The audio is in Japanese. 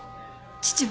父は？